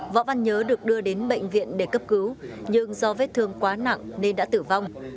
võ văn nhớ được đưa đến bệnh viện để cấp cứu nhưng do vết thương quá nặng nên đã tử vong